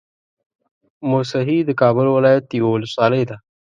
موسهي د کابل ولايت يوه ولسوالۍ ده